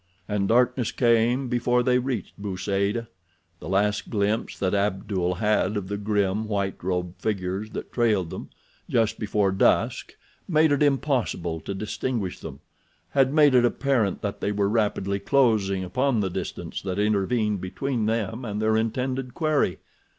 And darkness came before they reached Bou Saada. The last glimpse that Abdul had of the grim, white robed figures that trailed them, just before dusk made it impossible to distinguish them, had made it apparent that they were rapidly closing up the distance that intervened between them and their intended quarry.